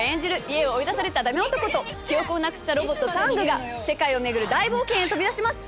家を追い出されたダメ男と記憶をなくしたロボットタングが世界を巡る大冒険へ飛び出します。